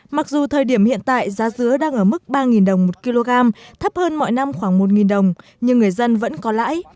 mặc dù thời điểm hiện tại giá dứa đang ở mức ba đồng một kg thấp hơn mọi năm khoảng một đồng nhưng người dân vẫn có lãi